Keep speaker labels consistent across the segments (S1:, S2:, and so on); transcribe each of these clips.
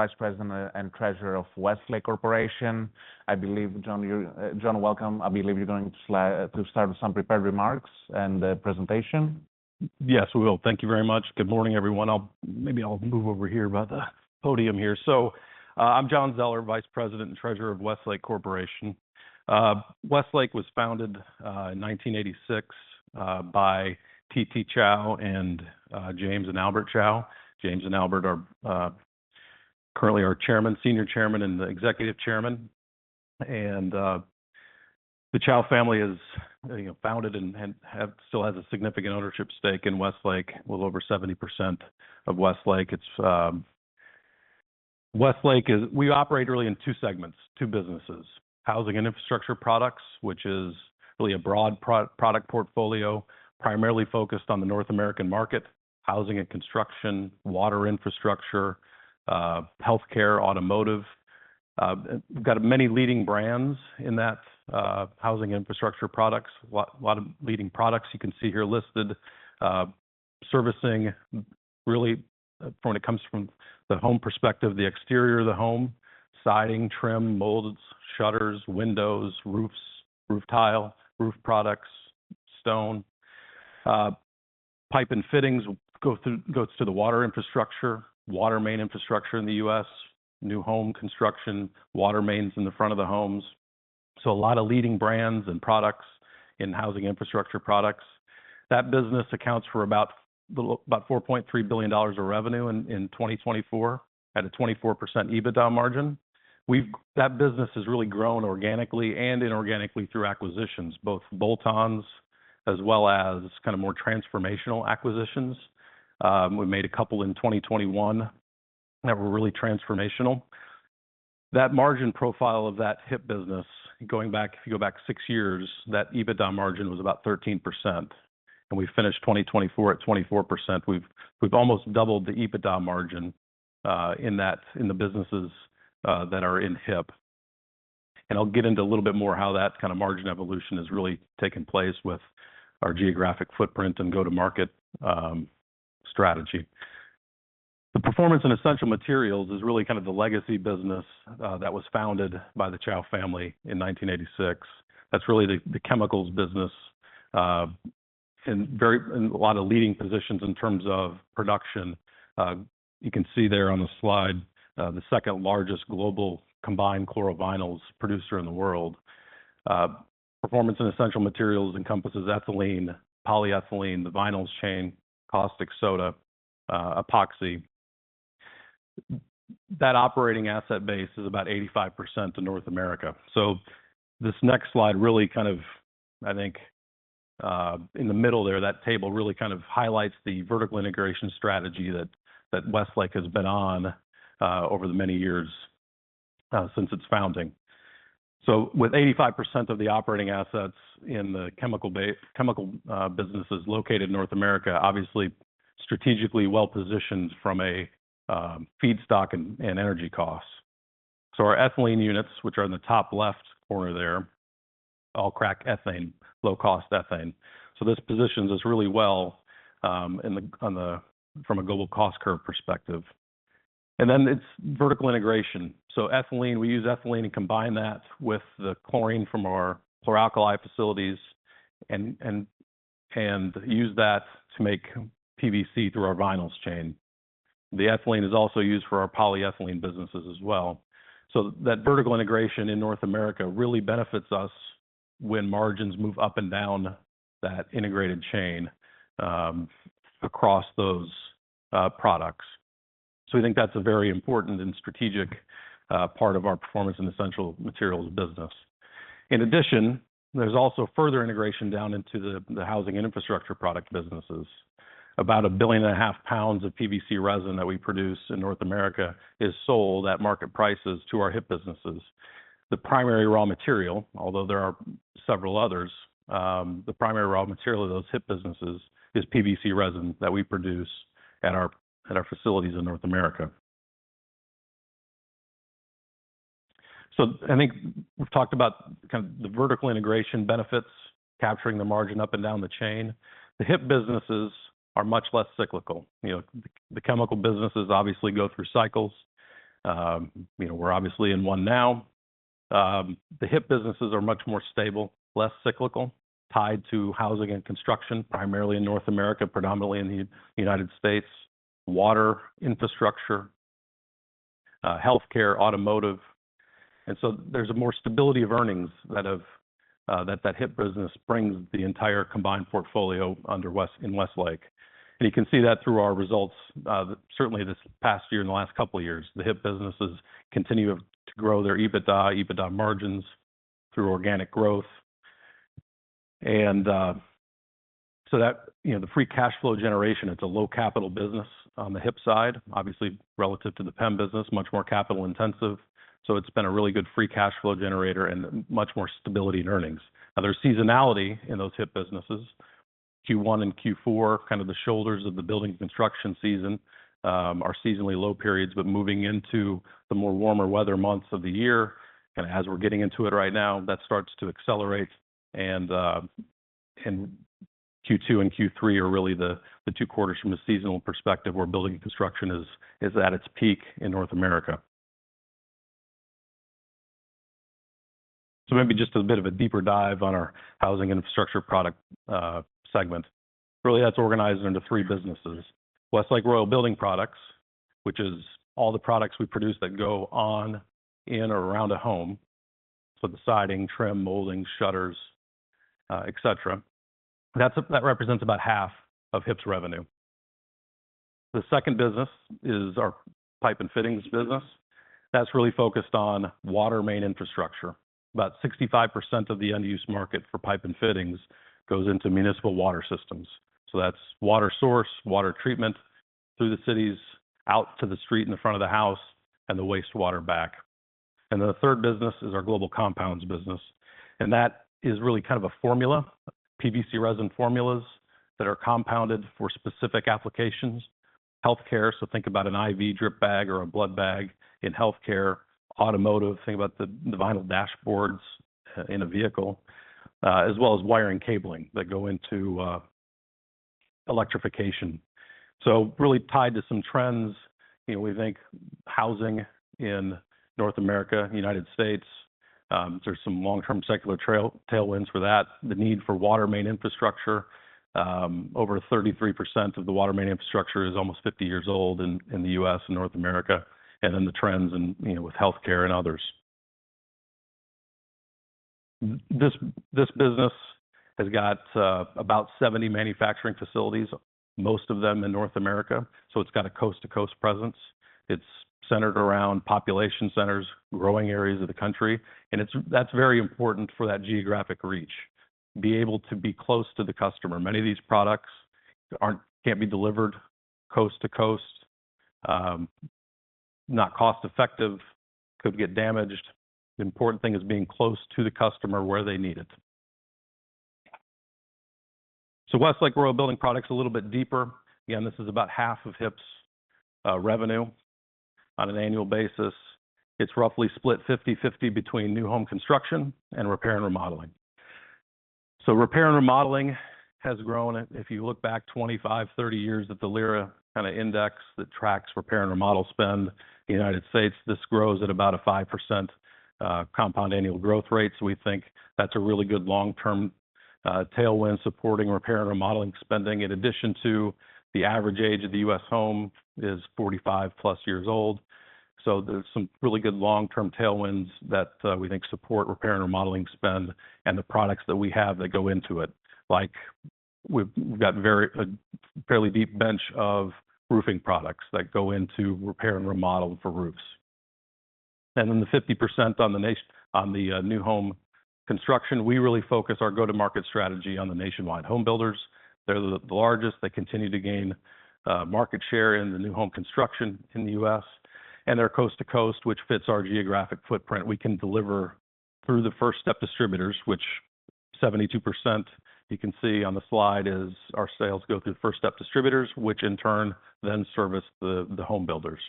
S1: Vice President and Treasurer of Westlake Corporation. I believe, John, welcome. I believe you're going to start with some prepared remarks and the presentation.
S2: Yes, we will. Thank you very much. Good morning, everyone. Maybe I'll move over here by the podium here. So, I'm John Zoeller, Vice President and Treasurer of Westlake Corporation. Westlake was founded in 1986 by T.T. Chao and James and Albert Chao. James and Albert are currently our Chairman, Senior Chairman, and Executive Chairman. And the Chao family is, you know, founded and still has a significant ownership stake in Westlake, well over 70% of Westlake. Westlake is. We operate really in two segments, two businesses: Housing and Infrastructure Products, which is really a broad product portfolio, primarily focused on the North American market, housing and construction, water infrastructure, healthcare, automotive. We've got many leading brands in that Housing and Infrastructure Products, a lot of leading products you can see here listed, servicing really from when it comes from the home perspective, the exterior of the home, siding, trim, molds, shutters, windows, roofs, roof tile, roof products, stone, pipe and fittings, goes to the water infrastructure, water main infrastructure in the U.S., new home construction, water mains in the front of the homes. So, a lot of leading brands and products in Housing and Infrastructure Products. That business accounts for about $4.3 billion of revenue in 2024 at a 24% EBITDA margin. That business has really grown organically and inorganically through acquisitions, both bolt-ons as well as kind of more transformational acquisitions. We made a couple in 2021 that were really transformational. That margin profile of that HIP business, going back, if you go back six years, that EBITDA margin was about 13%. We finished 2024 at 24%. We've almost doubled the EBITDA margin in that the businesses that are in HIP. I'll get into a little bit more how that kind of margin evolution has really taken place with our geographic footprint and go-to-market strategy. Performance and Essential Materials is really kind of the legacy business that was founded by the Chao family in 1986. That's really the chemicals business in a lot of leading positions in terms of production. You can see there on the slide the second largest global combined chlorovinyls producer in the world. Performance and Essential Materials encompasses ethylene, polyethylene, the vinyls chain, caustic soda, epoxy. That operating asset base is about 85% in North America. So, this next slide really kind of, I think, in the middle there, that table really kind of highlights the vertical integration strategy that Westlake has been on over the many years since its founding. So, with 85% of the operating assets in the chemical businesses located in North America, obviously strategically well-positioned from a feedstock and energy cost. So, our ethylene units, which are in the top left corner there, all crack ethane, low-cost ethane. So, this positions us really well on the—from a global cost curve perspective. And then it's vertical integration. So, ethylene, we use ethylene and combine that with the chlorine from our chloralkali facilities and use that to make PVC through our vinyls chain. The ethylene is also used for our polyethylene businesses as well. That vertical integration in North America really benefits us when margins move up and down that integrated chain across those products. We think that's a very important and strategic part of our Performance and Essential Materials business. In addition, there's also further integration down into the housing and infrastructure product businesses. About 1.5 billion lbs of PVC resin that we produce in North America is sold at market prices to our HIP businesses. The primary raw material, although there are several others, the primary raw material of those HIP businesses is PVC resin that we produce at our facilities in North America. I think we've talked about kind of the vertical integration benefits, capturing the margin up and down the chain. The HIP businesses are much less cyclical. You know, the chemical businesses obviously go through cycles. You know, we're obviously in one now. The HIP businesses are much more stable, less cyclical, tied to housing and construction, primarily in North America, predominantly in the United States, water infrastructure, healthcare, automotive. There's a more stability of earnings that the HIP business brings the entire combined portfolio under Westlake. You can see that through our results. Certainly, this past year and the last couple of years, the HIP businesses continue to grow their EBITDA, EBITDA margins through organic growth. That, you know, the free cash flow generation, it's a low-capital business on the HIP side, obviously relative to the PEM business, much more capital intensive. It's been a really good free cash flow generator and much more stability in earnings. Now, there's seasonality in those HIP businesses. Q1 and Q4, kind of the shoulders of the building construction season, are seasonally low periods, but moving into the more warmer weather months of the year, kind of as we're getting into it right now, that starts to accelerate. And Q2 and Q3 are really the two quarters from a seasonal perspective where building construction is at its peak in North America. So, maybe just a bit of a deeper dive on our Housing and Infrastructure Product segment. Really, that's organized into three businesses: Westlake Royal Building Products, which is all the products we produce that go on, in, or around a home. So, the siding, trim, molding, shutters, et cetera. That represents about half of HIP's revenue. The second business is our Pipe & Fittings business. That's really focused on water main infrastructure. About 65% of the end-use market for Pipe & Fittings goes into municipal water systems. So, that's water source, water treatment through the cities, out to the street in the front of the house, and the wastewater back. And the third business is our Global Compounds business. And that is really kind of a formula, PVC resin formulas that are compounded for specific applications. Healthcare, so think about an IV drip bag or a blood bag in healthcare. Automotive, think about the vinyl dashboards in a vehicle, as well as wiring cabling that go into electrification. So, really tied to some trends. You know, we think housing in North America, United States, there's some long-term secular tailwinds for that. The need for water main infrastructure, over 33% of the water main infrastructure is almost 50 years old in the U.S. and North America. And then the trends in, you know, with healthcare and others. This business has got about 70 manufacturing facilities, most of them in North America. So, it's got a coast-to-coast presence. It's centered around population centers, growing areas of the country. And that's very important for that geographic reach, be able to be close to the customer. Many of these products can't be delivered coast-to-coast, not cost-effective, could get damaged. The important thing is being close to the customer where they need it. So, Westlake Royal Building Products a little bit deeper. Again, this is about half of HIP's revenue on an annual basis. It's roughly split 50/50 between new home construction and repair and remodeling. So, repair and remodeling has grown at, if you look back 25, 30 years at the LIRA kind of index that tracks repair and remodel spend in the United States, this grows at about a 5% compound annual growth rate. So, we think that's a really good long-term tailwind supporting repair and remodeling spending. In addition to the average age of the U.S. home is 45+ years old. So, there's some really good long-term tailwinds that we think support repair and remodeling spend and the products that we have that go into it. Like we've got a fairly deep bench of roofing products that go into repair and remodel for roofs. And then the 50% on the new home construction, we really focus our go-to-market strategy on the nationwide home builders. They're the largest. They continue to gain market share in the new home construction in the U.S. And they're coast-to-coast, which fits our geographic footprint. We can deliver through the first-step distributors, which 72%, you can see on the slide is our sales go through first-step distributors, which in turn then service the home builders.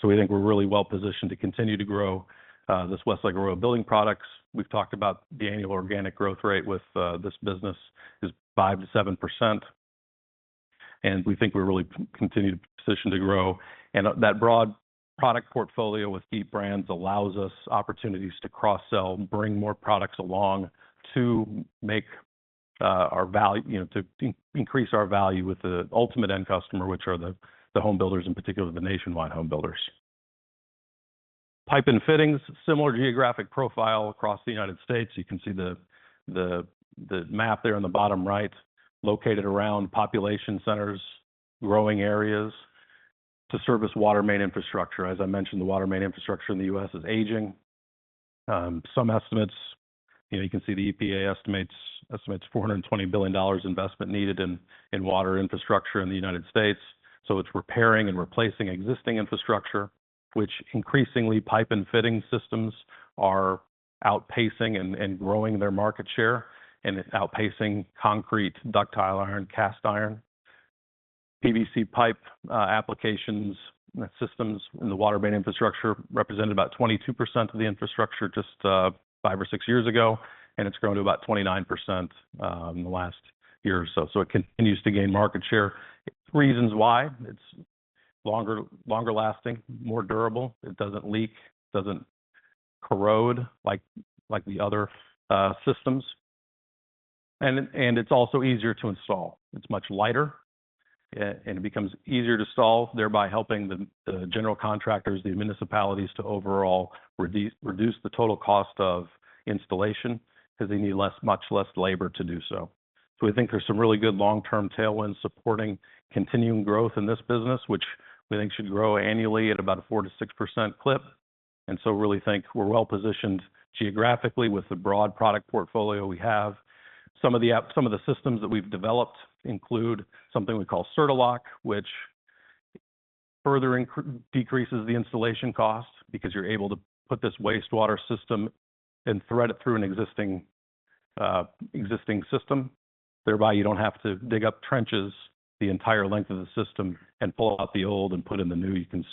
S2: So, we think we're really well-positioned to continue to grow this Westlake Royal Building Products. We've talked about the annual organic growth rate with this business is 5%-7%. And we think we're really continuing to position to grow. And that broad product portfolio with deep brands allows us opportunities to cross-sell, bring more products along to make our value, you know, to increase our value with the ultimate end customer, which are the home builders in particular, the nationwide home builders. Pipe & Fittings, similar geographic profile across the United States. You can see the map there on the bottom right, located around population centers, growing areas to service water main infrastructure. As I mentioned, the water main infrastructure in the U.S. is aging. Some estimates, you know, you can see the EPA estimates $420 billion investment needed in water infrastructure in the United States. It's repairing and replacing existing infrastructure, which increasingly Pipe and Fitting systems are outpacing and growing their market share and outpacing concrete, ductile iron, cast iron. PVC pipe applications and systems in the water main infrastructure represented about 22% of the infrastructure just five or six years ago, and it's grown to about 29% in the last year or so. It continues to gain market share. Reasons why: it's longer lasting, more durable, it doesn't leak, doesn't corrode like the other systems, and it's also easier to install. It's much lighter, and it becomes easier to install, thereby helping the general contractors, the municipalities, to overall reduce the total cost of installation because they need much less labor to do so. We think there's some really good long-term tailwinds supporting continuing growth in this business, which we think should grow annually at about a 4%-6% clip. And so, really think we're well-positioned geographically with the broad product portfolio we have. Some of the systems that we've developed include something we call Certa-Lok, which further decreases the installation cost because you're able to put this wastewater system and thread it through an existing system. Thereby, you don't have to dig up trenches the entire length of the system and pull out the old and put in the new. You can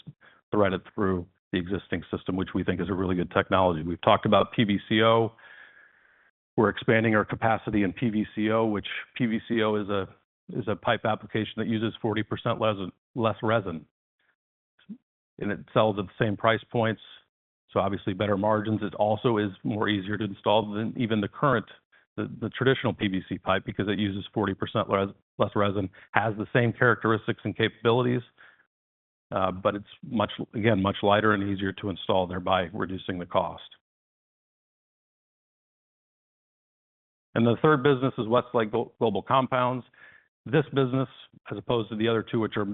S2: thread it through the existing system, which we think is a really good technology. We've talked about PVCO. We're expanding our capacity in PVCO, which PVCO is a pipe application that uses 40% less resin. And it sells at the same price points. So, obviously, better margins. It also is more easier to install than even the current, the traditional PVC pipe because it uses 40% less resin, has the same characteristics and capabilities, but it's much, again, much lighter and easier to install, thereby reducing the cost. And the third business is Westlake Global Compounds. This business, as opposed to the other two, which are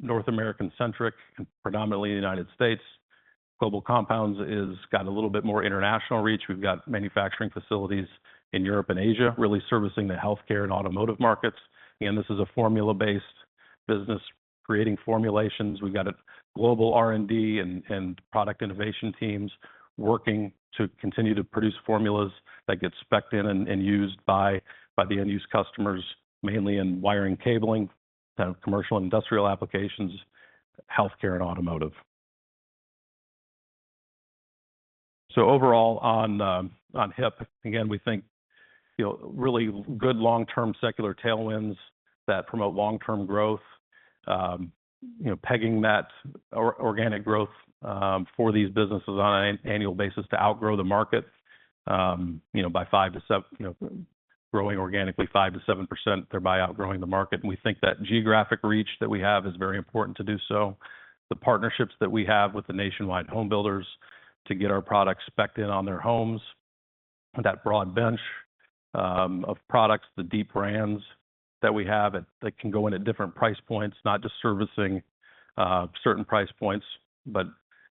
S2: North American-centric and predominantly in the United States, Global Compounds has got a little bit more international reach. We've got manufacturing facilities in Europe and Asia really servicing the healthcare and automotive markets. Again, this is a formula-based business creating formulations. We've got a global R&D and product innovation teams working to continue to produce formulas that get specced in and used by the end-use customers, mainly in wiring, cabling, kind of commercial and industrial applications, healthcare, and automotive. So, overall on HIP, again, we think, you know, really good long-term secular tailwinds that promote long-term growth, you know, pegging that organic growth for these businesses on an annual basis to outgrow the market, you know, by 5-7, you know, growing organically 5%-7%, thereby outgrowing the market. And we think that geographic reach that we have is very important to do so. The partnerships that we have with the nationwide home builders to get our products specced in on their homes, that broad bench of products, the deep brands that we have that can go in at different price points, not just servicing certain price points, but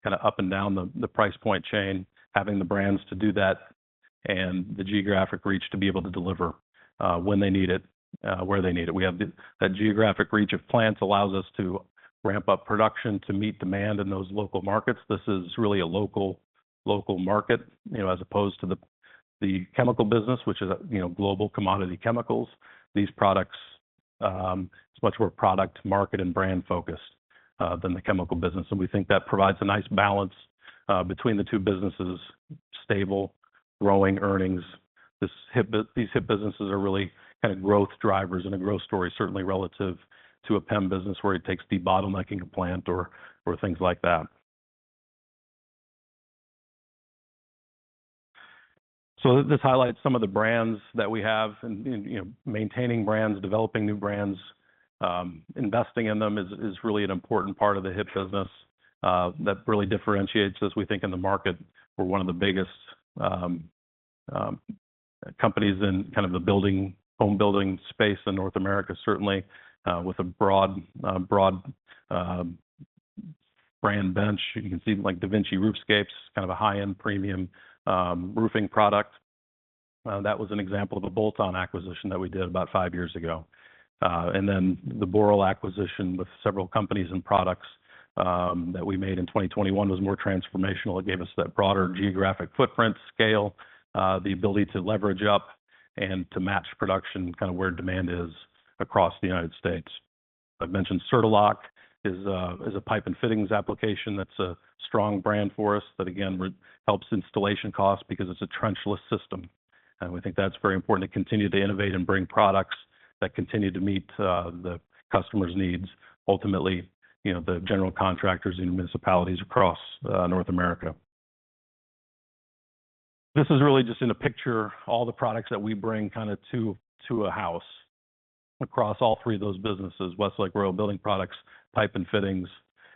S2: kind of up and down the price point chain, having the brands to do that and the geographic reach to be able to deliver when they need it, where they need it. We have that geographic reach of plants allows us to ramp up production to meet demand in those local markets. This is really a local market, you know, as opposed to the chemical business, which is, you know, global commodity chemicals. These products, it's much more product, market, and brand focused than the chemical business. And we think that provides a nice balance between the two businesses, stable, growing earnings. These HIP businesses are really kind of growth drivers and a growth story, certainly relative to a PEM business where it takes de-bottlenecking a plant or things like that. So, this highlights some of the brands that we have and, you know, maintaining brands, developing new brands, investing in them is really an important part of the HIP business that really differentiates us. We think in the market, we're one of the biggest companies in kind of the building, home building space in North America, certainly with a broad brand bench. You can see like DaVinci Roofscapes, kind of a high-end premium roofing product. That was an example of a bolt-on acquisition that we did about five years ago. And then the Boral acquisition with several companies and products that we made in 2021 was more transformational. It gave us that broader geographic footprint scale, the ability to leverage up and to match production kind of where demand is across the United States. I've mentioned Certa-Lok is a Pipe & Fittings application that's a strong brand for us that, again, helps installation costs because it's a trenchless system. We think that's very important to continue to innovate and bring products that continue to meet the customer's needs, ultimately, you know, the general contractors in municipalities across North America. This is really just in a picture, all the products that we bring kind of to a house across all three of those businesses: Westlake Royal Building Products, Pipe & Fittings,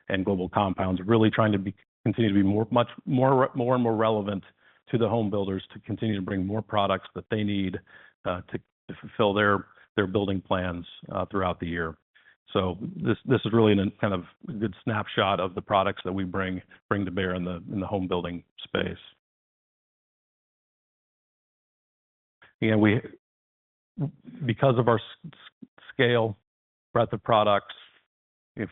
S2: and Global Compounds, really trying to continue to be more and more relevant to the home builders to continue to bring more products that they need to fulfill their building plans throughout the year. This is really kind of a good snapshot of the products that we bring to bear in the home building space. Again, because of our scale, breadth of products,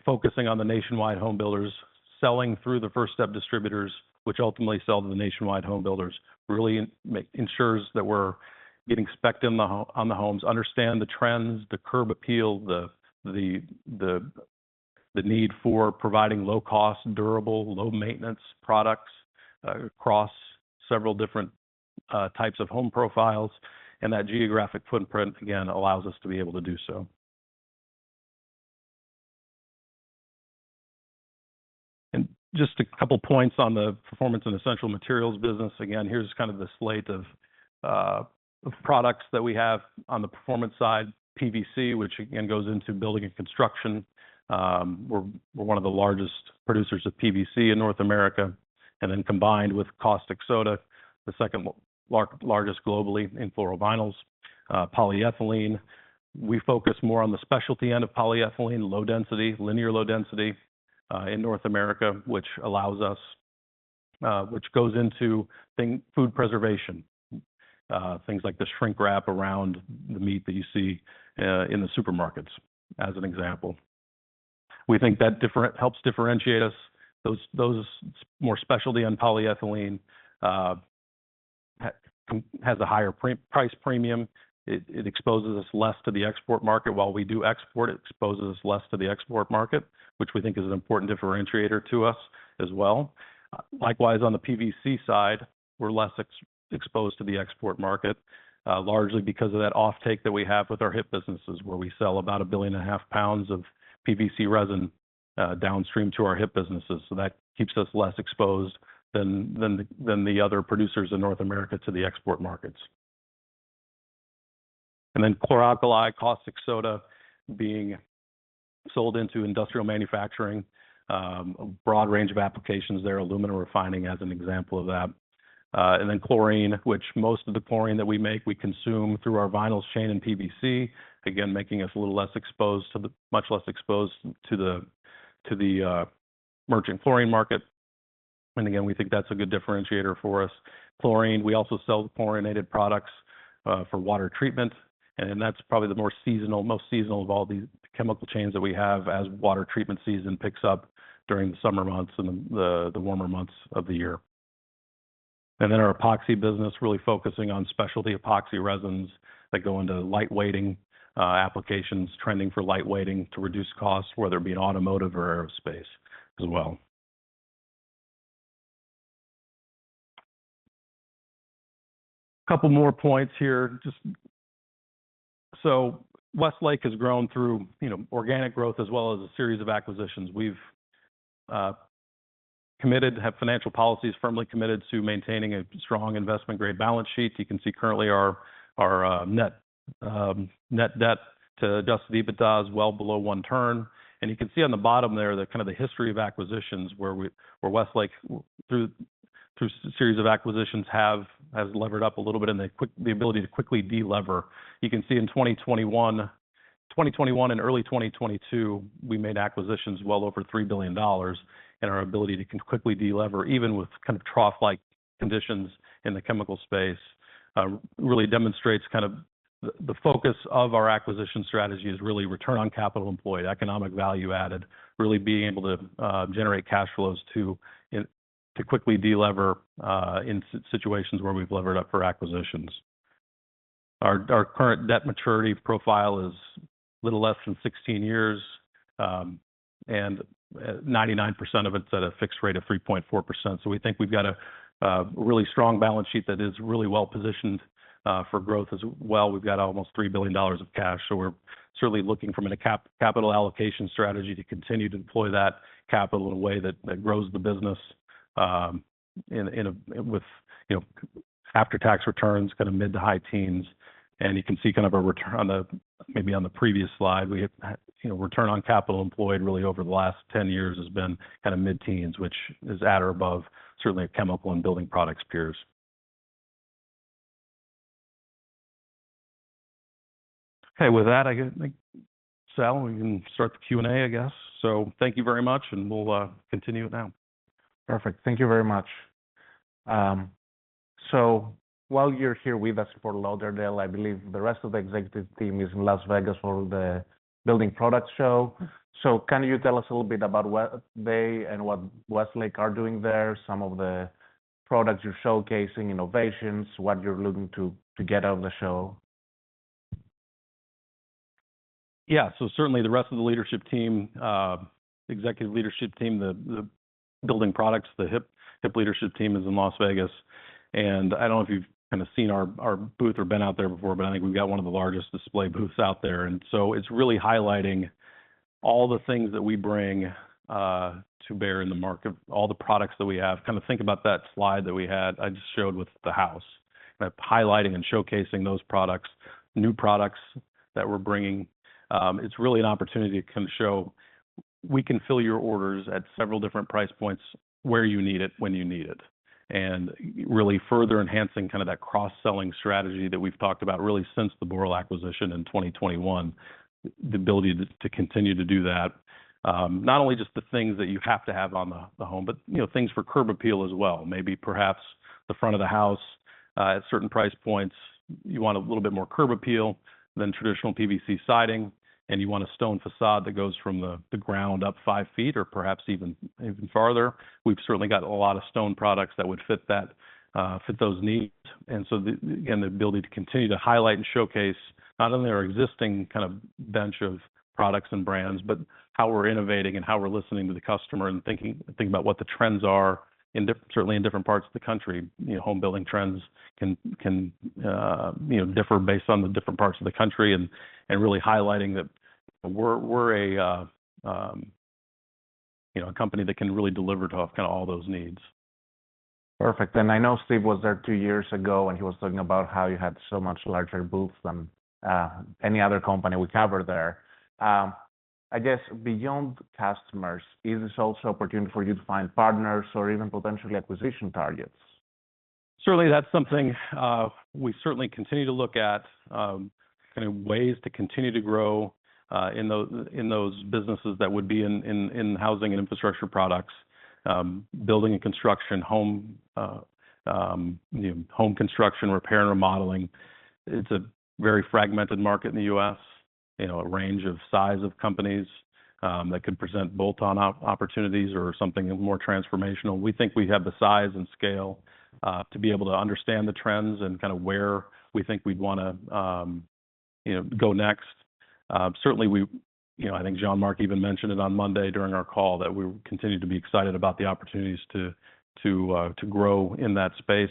S2: focusing on the nationwide home builders, selling through the first-step distributors, which ultimately sell to the nationwide home builders, really ensures that we're getting specced in on the homes, understand the trends, the curb appeal, the need for providing low-cost, durable, low-maintenance products across several different types of home profiles. And that geographic footprint, again, allows us to be able to do so. And just a couple of points on the Performance and Essential Materials business. Again, here's kind of the slate of products that we have on the performance side, PVC, which again goes into building and construction. We're one of the largest producers of PVC in North America. And then combined with caustic soda, the second largest globally in chlorovinyls, polyethylene. We focus more on the specialty end of polyethylene, low density, linear low density in North America, which allows us, which goes into food preservation, things like the shrink wrap around the meat that you see in the supermarkets as an example. We think that helps differentiate us. Those more specialty in polyethylene has a higher price premium. It exposes us less to the export market. While we do export, it exposes us less to the export market, which we think is an important differentiator to us as well. Likewise, on the PVC side, we're less exposed to the export market, largely because of that offtake that we have with our HIP businesses, where we sell about 1.5 billion pounds of PVC resin downstream to our HIP businesses. So that keeps us less exposed than the other producers in North America to the export markets. Chloroalkali, caustic soda being sold into industrial manufacturing, a broad range of applications there, aluminum refining as an example of that. Chlorine, which most of the chlorine that we make, we consume through our vinyl chain and PVC, again, making us a little less exposed to the, much less exposed to the merchant chlorine market. We think that's a good differentiator for us. Chlorine, we also sell chlorinated products for water treatment. That's probably the most seasonal of all the chemical chains that we have as water treatment season picks up during the summer months and the warmer months of the year. Our Epoxy business, really focusing on specialty epoxy resins that go into lightweighting applications, trending for lightweighting to reduce costs, whether it be in automotive or aerospace as well. A couple more points here. Just so, Westlake has grown through, you know, organic growth as well as a series of acquisitions. We have financial policies firmly committed to maintaining a strong investment-grade balance sheet. You can see currently our net debt to EBITDA well below one turn. And you can see on the bottom there that kind of the history of acquisitions where Westlake, through a series of acquisitions, has levered up a little bit and the ability to quickly delever. You can see in 2021, 2021 and early 2022, we made acquisitions well over $3 billion and our ability to quickly delever, even with kind of trough-like conditions in the chemical space, really demonstrates kind of the focus of our acquisition strategy is really return on capital employed, economic value added, really being able to generate cash flows to quickly delever in situations where we've levered up for acquisitions. Our current debt maturity profile is a little less than 16 years, and 99% of it's at a fixed rate of 3.4%. So we think we've got a really strong balance sheet that is really well-positioned for growth as well. We've got almost $3 billion of cash. So we're certainly looking from a capital allocation strategy to continue to deploy that capital in a way that grows the business with, you know, after-tax returns, kind of mid to high teens. And you can see kind of a return on the, maybe on the previous slide, we had, you know, return on capital employed really over the last 10 years has been kind of mid-teens, which is at or above certainly a chemical and building products peers. Okay, with that, I guess, Sal, we can start the Q&A, I guess. So thank you very much, and we'll continue it now. Perfect. Thank you very much. So while you're here with us for Fort Lauderdale, I believe the rest of the executive team is in Las Vegas for the building product show. So can you tell us a little bit about what they and what Westlake are doing there, some of the products you're showcasing, innovations, what you're looking to get out of the show? Yeah, so certainly the rest of the leadership team, executive leadership team, the building products, the HIP leadership team is in Las Vegas. And I don't know if you've kind of seen our booth or been out there before, but I think we've got one of the largest display booths out there. And so it's really highlighting all the things that we bring to bear in the market, all the products that we have. Kind of think about that slide that we had, I just showed with the house, kind of highlighting and showcasing those products, new products that we're bringing. It's really an opportunity to kind of show we can fill your orders at several different price points where you need it, when you need it. Really further enhancing kind of that cross-selling strategy that we've talked about really since the Boral acquisition in 2021, the ability to continue to do that. Not only just the things that you have to have on the home, but, you know, things for curb appeal as well. Maybe perhaps the front of the house at certain price points, you want a little bit more curb appeal than traditional PVC siding, and you want a stone facade that goes from the ground up five feet or perhaps even farther. We've certainly got a lot of stone products that would fit those needs. The ability to continue to highlight and showcase not only our existing kind of bench of products and brands, but how we're innovating and how we're listening to the customer and thinking about what the trends are in certainly in different parts of the country. You know, home building trends can, you know, differ based on the different parts of the country and really highlighting that we're a, you know, a company that can really deliver to kind of all those needs. Perfect. And I know Steve was there two years ago and he was talking about how you had so much larger booths than any other company we covered there. I guess beyond customers, is this also an opportunity for you to find partners or even potentially acquisition targets? Certainly, that's something we certainly continue to look at, kind of ways to continue to grow in those businesses that would be in Housing and Infrastructure Products, building and construction, home, you know, home construction, repair and remodeling. It's a very fragmented market in the U.S., you know, a range of size of companies that could present bolt-on opportunities or something more transformational. We think we have the size and scale to be able to understand the trends and kind of where we think we'd want to, you know, go next. Certainly, we, you know, I think Jean-Marc even mentioned it on Monday during our call that we continue to be excited about the opportunities to grow in that space.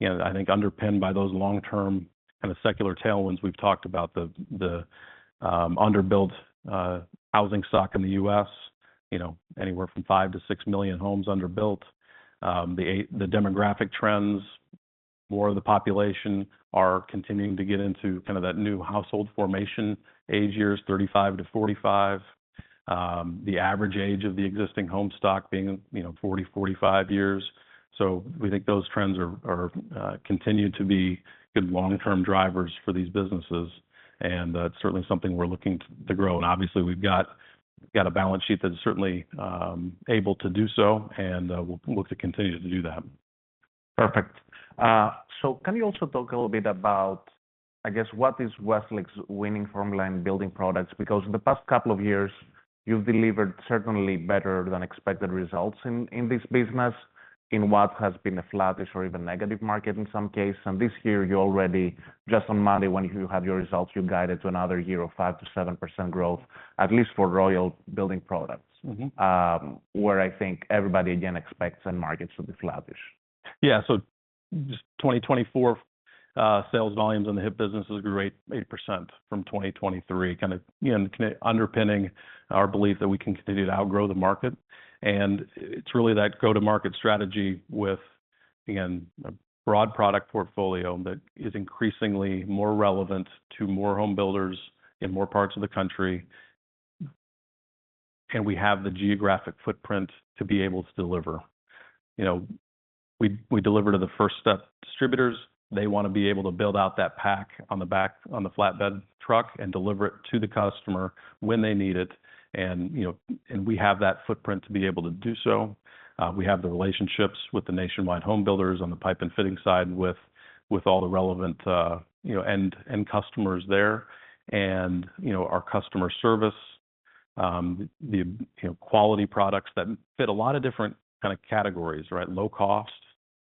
S2: You know, I think underpinned by those long-term kind of secular tailwinds, we've talked about the underbuilt housing stock in the U.S., you know, anywhere from five-to-six million homes underbuilt. The demographic trends, more of the population are continuing to get into kind of that new household formation age years, 35-45. The average age of the existing home stock being, you know, 40-45 years. So we think those trends continue to be good long-term drivers for these businesses. And that's certainly something we're looking to grow. And obviously, we've got a balance sheet that's certainly able to do so, and we'll look to continue to do that. Perfect. So can you also talk a little bit about, I guess, what is Westlake's winning formula in building products? Because in the past couple of years, you've delivered certainly better than expected results in this business in what has been a flattish or even negative market in some cases. And this year, you already, just on Monday, when you had your results, you guided to another year of 5%-7% growth, at least for Royal building products, where I think everybody again expects and markets to be flattish. Yeah, so just 2024 sales volumes on the HIP business is a great 8% from 2023, kind of, you know, underpinning our belief that we can continue to outgrow the market. And it's really that go-to-market strategy with, again, a broad product portfolio that is increasingly more relevant to more home builders in more parts of the country. And we have the geographic footprint to be able to deliver. You know, we deliver to the first-step distributors. They want to be able to build out that pack on the back, on the flatbed truck and deliver it to the customer when they need it. And, you know, and we have that footprint to be able to do so. We have the relationships with the nationwide home builders on the pipe and fitting side with all the relevant, you know, end customers there. You know, our customer service, the, you know, quality products that fit a lot of different kind of categories, right? Low cost,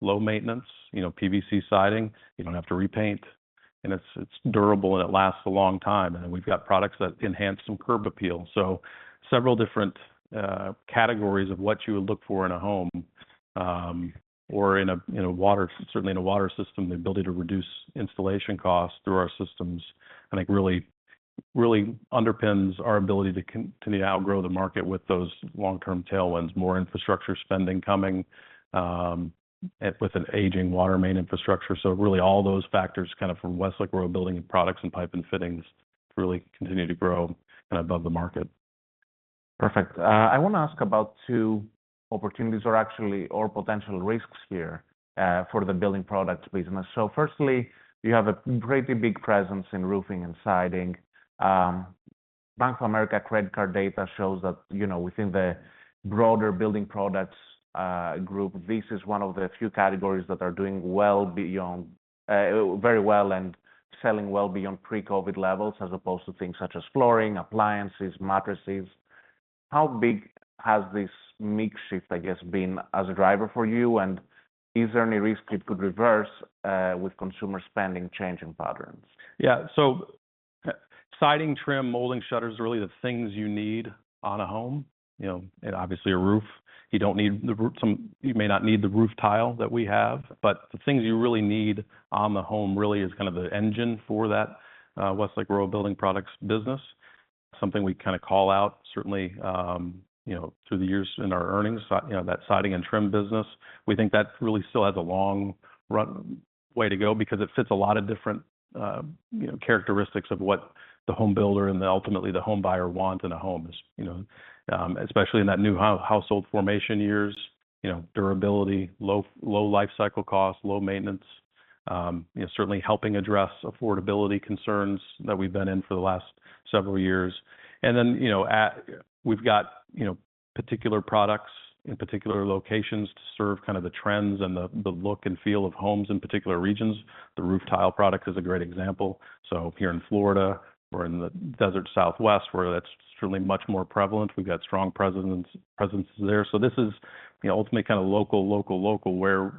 S2: low maintenance, you know, PVC siding, you don't have to repaint. It's durable and it lasts a long time. Then we've got products that enhance some curb appeal. Several different categories of what you would look for in a home or in a, you know, water, certainly in a water system, the ability to reduce installation costs through our systems, I think really, really underpins our ability to continue to outgrow the market with those long-term tailwinds, more infrastructure spending coming with an aging water main infrastructure. Really all those factors kind of from Westlake Royal Building Products and Pipe & Fittings to really continue to grow kind of above the market. Perfect. I want to ask about two opportunities or actually potential risks here for the building products business. So firstly, you have a pretty big presence in roofing and siding. Bank of America credit card data shows that, you know, within the broader building products group, this is one of the few categories that are doing well beyond, very well and selling well beyond pre-COVID levels as opposed to things such as flooring, appliances, mattresses. How big has this mix shift, I guess, been as a driver for you? And is there any risk it could reverse with consumer spending changing patterns? Yeah, so siding, trim, molding, shutters are really the things you need on a home. You know, obviously a roof, you don't need the roof, you may not need the roof tile that we have, but the things you really need on the home really is kind of the engine for that Westlake Royal Building Products business. Something we kind of call out certainly, you know, through the years in our earnings, you know, that siding and trim business. We think that really still has a long way to go because it fits a lot of different, you know, characteristics of what the home builder and ultimately the home buyer want in a home is, you know, especially in that new household formation years, you know, durability, low life cycle costs, low maintenance, you know, certainly helping address affordability concerns that we've been in for the last several years. Then, you know, we've got, you know, particular products in particular locations to serve kind of the trends and the look and feel of homes in particular regions. The roof tile product is a great example. So here in Florida or in the Desert Southwest where that's certainly much more prevalent, we've got strong presence there. So this is, you know, ultimately kind of local, local, local where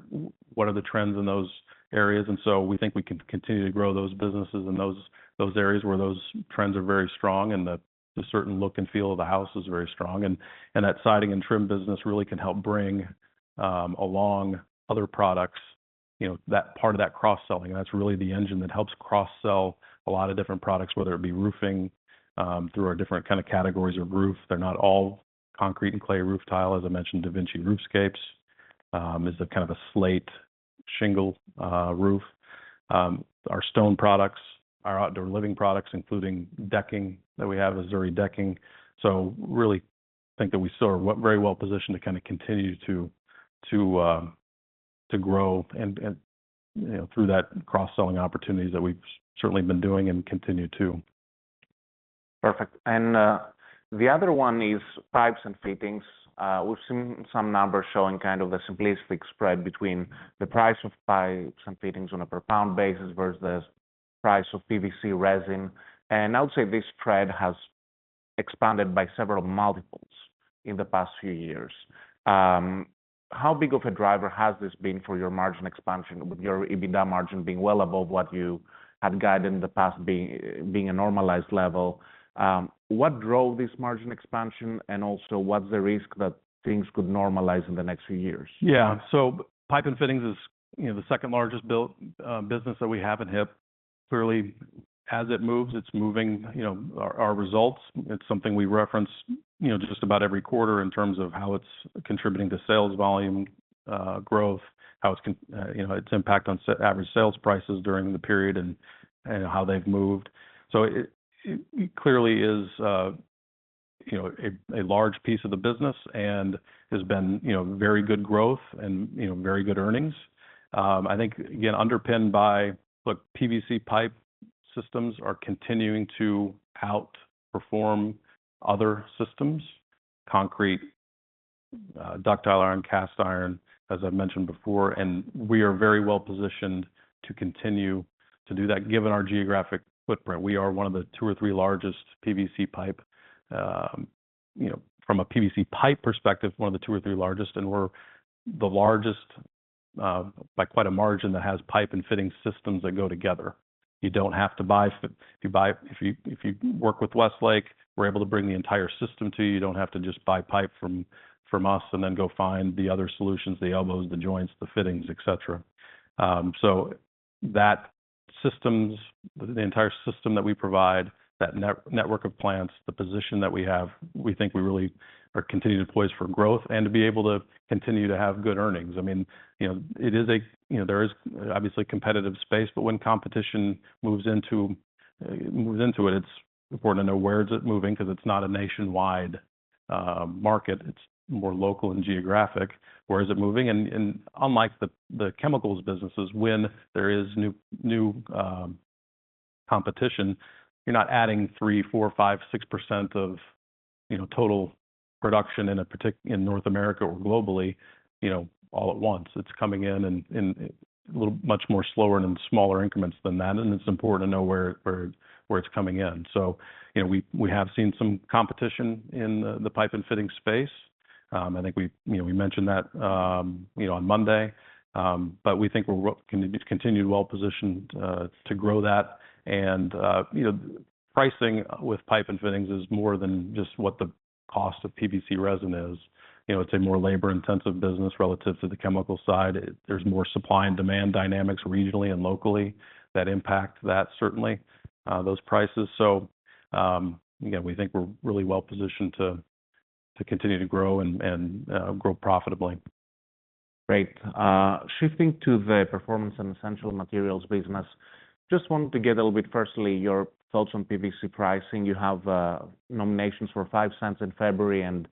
S2: what are the trends in those areas. And so we think we can continue to grow those businesses in those areas where those trends are very strong and the certain look and feel of the house is very strong. And that siding and trim business really can help bring along other products, you know, that part of that cross-selling. That's really the engine that helps cross-sell a lot of different products, whether it be roofing through our different kind of categories of roof. They're not all concrete and clay roof tile, as I mentioned, DaVinci Roofscapes is a kind of a slate shingle roof. Our stone products, our outdoor living products, including decking that we have is Veranda decking. So really think that we still are very well positioned to kind of continue to grow and, you know, through that cross-selling opportunities that we've certainly been doing and continue to. Perfect. And the other one is pipes and fittings. We've seen some numbers showing kind of the simplistic spread between the price of pipes and fittings on a per pound basis versus the price of PVC resin. And I would say this spread has expanded by several multiples in the past few years. How big of a driver has this been for your margin expansion with your EBITDA margin being well above what you had guided in the past being a normalized level? What drove this margin expansion and also what's the risk that things could normalize in the next few years? Yeah, so Pipe & Fittings is, you know, the second largest business that we have in HIP. Clearly, as it moves, it's moving, you know, our results. It's something we reference, you know, just about every quarter in terms of how it's contributing to sales volume growth, how it's, you know, its impact on average sales prices during the period and how they've moved, so it clearly is, you know, a large piece of the business and has been, you know, very good growth and, you know, very good earnings. I think, again, underpinned by, look, PVC pipe systems are continuing to outperform other systems, concrete, ductile iron, cast iron, as I've mentioned before, and we are very well positioned to continue to do that given our geographic footprint. We are one of the two or three largest PVC pipe, you know, from a PVC pipe perspective, one of the two or three largest, and we're the largest by quite a margin that has pipe and fitting systems that go together. You don't have to buy; if you work with Westlake, we're able to bring the entire system to you. You don't have to just buy pipe from us and then go find the other solutions, the elbows, the joints, the fittings, et cetera, so that systems, the entire system that we provide, that network of plants, the position that we have, we think we really are continuing to poise for growth and to be able to continue to have good earnings. I mean, you know, there is obviously competitive space, but when competition moves into it, it's important to know where is it moving because it's not a nationwide market. It's more local and geographic. Where is it moving? And unlike the chemicals businesses, when there is new competition, you're not adding 3, 4, 5, 6% of, you know, total production in a particular, in North America or globally, you know, all at once. It's coming in and a little much more slower and in smaller increments than that. And it's important to know where it's coming in. So, you know, we have seen some competition in the pipe and fitting space. I think we, you know, we mentioned that, you know, on Monday, but we think we're continued well positioned to grow that. You know, pricing with Pipe & Fittings is more than just what the cost of PVC resin is. You know, it's a more labor-intensive business relative to the chemical side. There's more supply and demand dynamics regionally and locally that impact that certainly, those prices. Yeah, we think we're really well positioned to continue to grow and grow profitably. Great. Shifting to the Performance and Essential Materials business, just wanted to get a little bit firstly your thoughts on PVC pricing. You have nominations for five cents in February and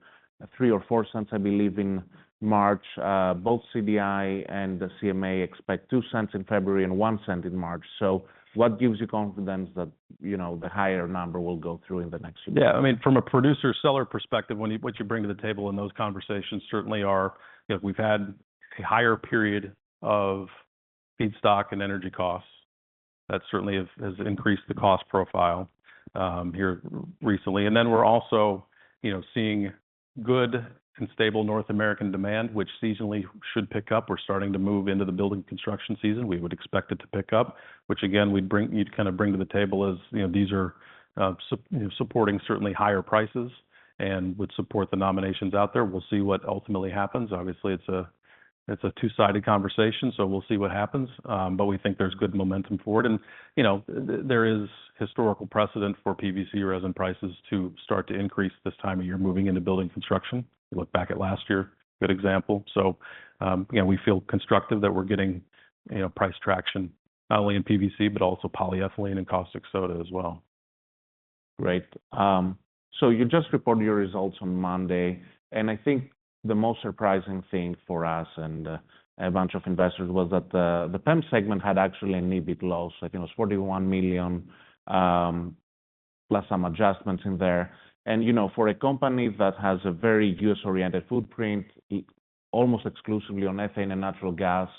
S2: three or four cents, I believe, in March. Both CDI and CMA expect two cents in February and one cent in March. So what gives you confidence that, you know, the higher number will go through in the next year? Yeah, I mean, from a producer-seller perspective, what you bring to the table in those conversations certainly are, you know, we've had a higher period of feedstock and energy costs that certainly has increased the cost profile here recently. And then we're also, you know, seeing good and stable North American demand, which seasonally should pick up. We're starting to move into the building construction season. We would expect it to pick up, which again, we'd bring, you'd kind of bring to the table as, you know, these are, you know, supporting certainly higher prices and would support the nominations out there. We'll see what ultimately happens. Obviously, it's a two-sided conversation, so we'll see what happens. But we think there's good momentum for it. And, you know, there is historical precedent for PVC resin prices to start to increase this time of year moving into building construction. Look back at last year, good example. So, yeah, we feel constructive that we're getting, you know, price traction not only in PVC, but also polyethylene and caustic soda as well. Great. So you just reported your results on Monday. And I think the most surprising thing for us and a bunch of investors was that the PEM segment had actually an EBIT loss. I think it was $41 million+ some adjustments in there. And, you know, for a company that has a very U.S.-oriented footprint, almost exclusively on ethane and natural gas,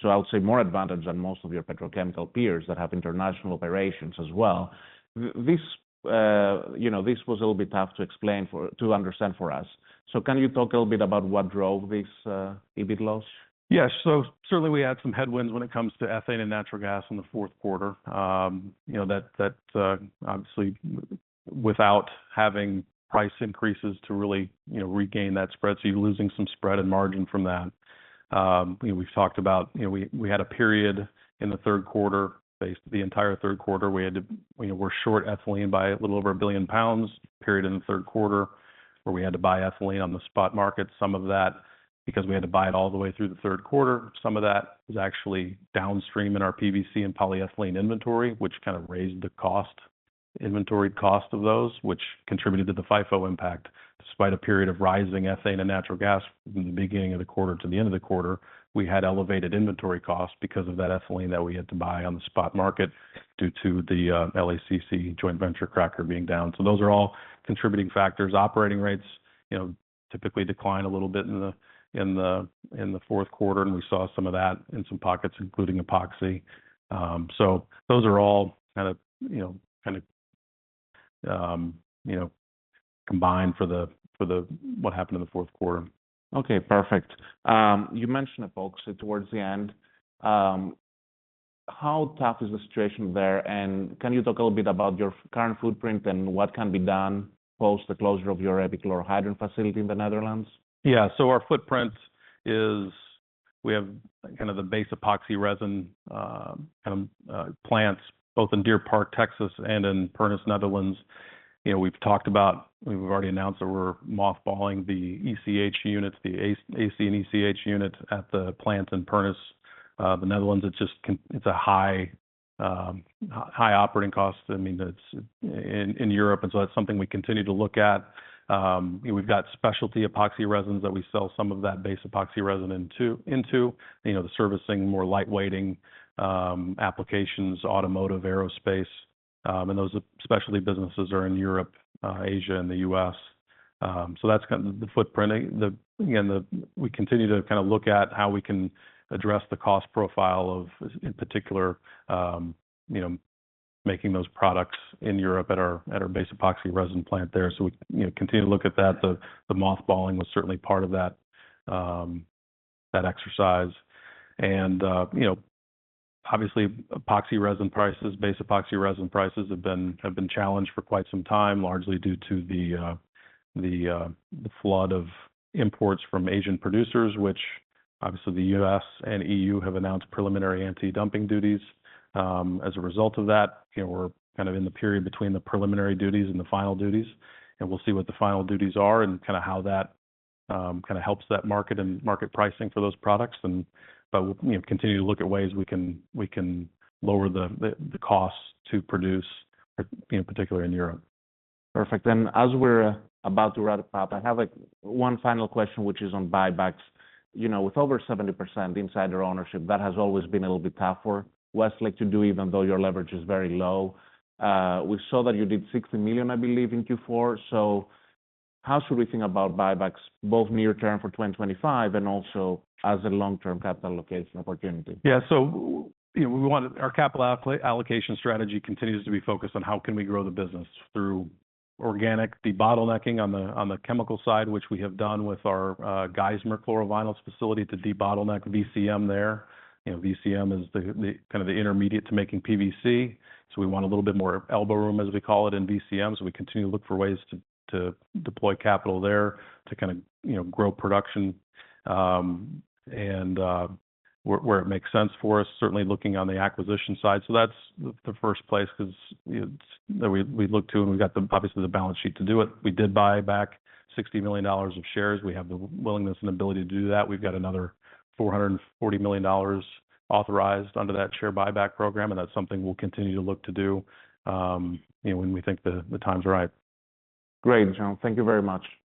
S2: so I would say more advantage than most of your petrochemical peers that have international operations as well. This, you know, this was a little bit tough to explain for, to understand for us. So can you talk a little bit about what drove this an EBIT loss? Yeah, so certainly we had some headwinds when it comes to ethane and natural gas in the fourth quarter. You know, that, that obviously without having price increases to really, you know, regain that spread. So you're losing some spread and margin from that. You know, we've talked about, you know, we had a period in the third quarter, the entire third quarter, we had to, you know, we're short ethylene by a little over a billion pounds period in the third quarter where we had to buy ethylene on the spot market. Some of that because we had to buy it all the way through the third quarter. Some of that was actually downstream in our PVC and polyethylene inventory, which kind of raised the cost, inventory cost of those, which contributed to the FIFO impact. Despite a period of rising ethane and natural gas from the beginning of the quarter to the end of the quarter, we had elevated inventory costs because of that ethylene that we had to buy on the spot market due to the LACC joint venture cracker being down. So those are all contributing factors. Operating rates, you know, typically decline a little bit in the fourth quarter. And we saw some of that in some pockets, including epoxy. So those are all kind of, you know, combined for the what happened in the fourth quarter. Okay, perfect. You mentioned epoxy towards the end. How tough is the situation there? And can you talk a little bit about your current footprint and what can be done post the closure of your epichlorohydrin facility in the Netherlands? Yeah, so our footprint is, we have kind of the base epoxy resin kind of plants both in Deer Park, Texas, and in Pernis, Netherlands. You know, we've talked about, we've already announced that we're mothballing the ECH units, the AC and ECH units at the plants in Pernis, the Netherlands. It's just, it's a high, high operating cost. I mean, it's in Europe. And so that's something we continue to look at. We've got specialty epoxy resins that we sell some of that base epoxy resin into, you know, the servicing, more lightweighting applications, automotive, aerospace. And those specialty businesses are in Europe, Asia, and the U.S. So that's kind of the footprint. Again, we continue to kind of look at how we can address the cost profile of, in particular, you know, making those products in Europe at our base epoxy resin plant there. So we, you know, continue to look at that. The mothballing was certainly part of that exercise. And, you know, obviously epoxy resin prices, base epoxy resin prices have been challenged for quite some time, largely due to the flood of imports from Asian producers, which obviously the U.S. and EU have announced preliminary anti-dumping duties as a result of that. You know, we're kind of in the period between the preliminary duties and the final duties. And we'll see what the final duties are and kind of how that kind of helps that market and market pricing for those products. And, but we'll, you know, continue to look at ways we can lower the costs to produce, you know, particularly in Europe. Perfect. And as we're about to wrap up, I have one final question, which is on buybacks. You know, with over 70% insider ownership, that has always been a little bit tough for Westlake to do, even though your leverage is very low. We saw that you did $60 million, I believe, in Q4. So how should we think about buybacks both near term for 2025 and also as a long-term capital allocation opportunity? Yeah, so, you know, we want our capital allocation strategy continues to be focused on how can we grow the business through organic debottlenecking on the chemical side, which we have done with our Geismar Chlorovinyls facility to debottleneck VCM there. You know, VCM is the kind of the intermediate to making PVC. So we want a little bit more elbow room, as we call it, in VCM. So we continue to look for ways to deploy capital there to kind of, you know, grow production and where it makes sense for us, certainly looking on the acquisition side. So that's the first place because we look to and we've got the, obviously the balance sheet to do it. We did buy back $60 million of shares. We have the willingness and ability to do that. We've got another $440 million authorized under that share buyback program. And that's something we'll continue to look to do, you know, when we think the times are right. Great, John. Thank you very much.